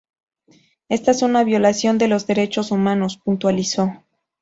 Esta es una violación de los derechos humanos", puntualizó.